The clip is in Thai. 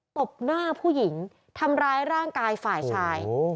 ตบหน้าผู้หญิงทำร้ายร่างกายฝ่ายชาย